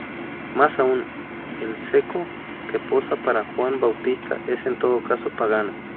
Más aún, el Cecco que posa para "Juan Bautista" es en todo caso pagano.